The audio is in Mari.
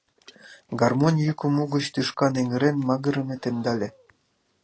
Гармонь йӱкым угыч тӱшкан эҥырен магырыме темдале.